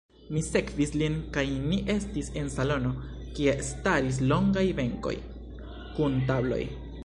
Mi sekvis lin kaj ni estis en salono, kie staris longaj benkoj kun tabloj.